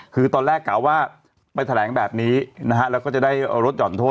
คือตอนแรกกล่าวว่าไปแถลงแบบนี้นะฮะแล้วก็จะได้ลดหย่อนโทษ